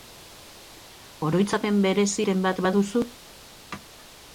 Oroitzapen bereziren bat baduzu?